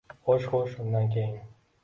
Xo’sh, xo’sh, undan keyin…